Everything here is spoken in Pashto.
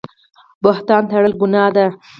بهتان تړل ګناه ده